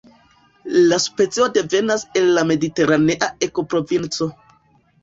La specio devenas el la mediteranea ekoprovinco.